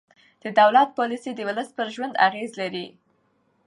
د دولت پالیسۍ د ولس پر ژوند اغېز لري